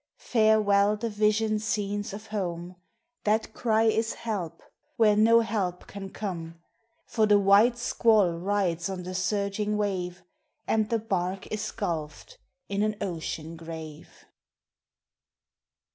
Farewell the visioned scenes of home! That cry is " Help," where no help can come; For the White Squall rides on the surging wave, And the bark is 'gulfed in an ocean grave.